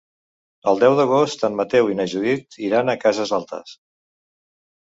El deu d'agost en Mateu i na Judit iran a Cases Altes.